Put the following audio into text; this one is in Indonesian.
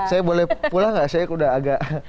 saya boleh pulang gak saya udah agak